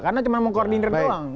karena cuma mau koordinir doang